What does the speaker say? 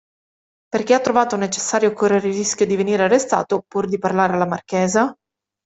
Perché ha trovato necessario correre il rischio di venire arrestato, pur di parlare alla marchesa?